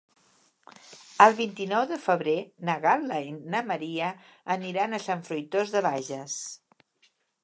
El vint-i-nou de febrer na Gal·la i na Maria aniran a Sant Fruitós de Bages.